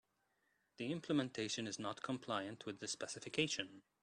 The implementation is not compliant with the specification.